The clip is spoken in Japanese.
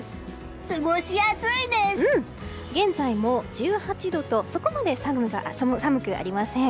現在も１８度とそこまで寒くありません。